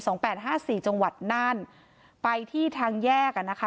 แปดห้าสี่จังหวัดน่านไปที่ทางแยกอ่ะนะคะ